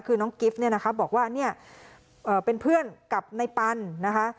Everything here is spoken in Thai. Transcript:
คือน้องกิฟต์เนี่ยนะคะบอกว่าเนี่ยเป็นเพื่อนกับในปันนะคะ